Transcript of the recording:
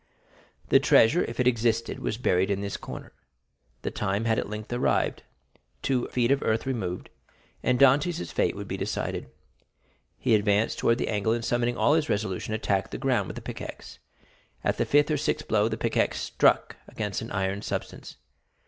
The treasure, if it existed, was buried in this corner. The time had at length arrived; two feet of earth removed, and Dantès' fate would be decided. He advanced towards the angle, and summoning all his resolution, attacked the ground with the pickaxe. At the fifth or sixth blow the pickaxe struck against an iron substance.